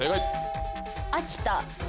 秋田。